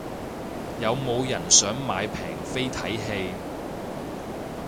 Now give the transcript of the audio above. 有冇人想買平飛睇戲